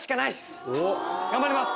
頑張ります。